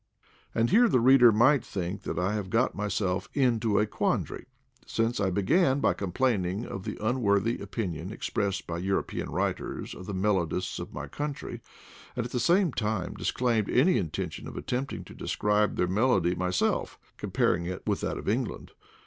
And here the reader might think that I have got myself into a quandary, since I began by complaining of the unworthy opinion expressed by European writers of the melodists of my coun try, and at the same time disclaimed any inten tion of attempting to describe their melody my self, comparing it with that of England.